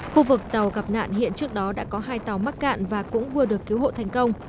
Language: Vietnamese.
khu vực tàu gặp nạn hiện trước đó đã có hai tàu mắc cạn và cũng vừa được cứu hộ thành công